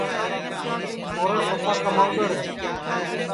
چھورا سپا کمائدڑ ہے